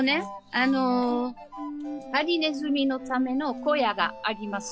あのハリネズミのための小屋があります。